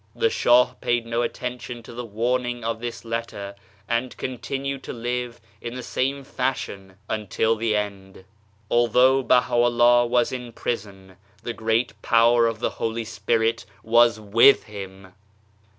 The Shah paid no attention to the warning of this letter and continued to live in the same fashion until the end. Although Baha'u'llah was in prison the Great Power of the Holy Spirit was with Him